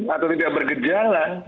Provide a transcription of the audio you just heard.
atau tidak bergejala